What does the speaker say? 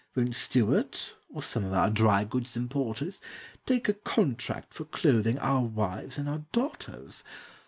Won't Stewart, or some of our dry goods importers, Take a contract for clothing our wives and our daughters?